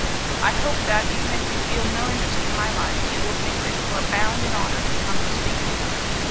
"I hope that, even if you feel no interest in my life, you will think that you are bound in honour to come and speak to me.